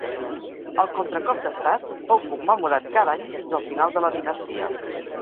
El contracop d'estat fou commemorat cada any fins al final de la dinastia.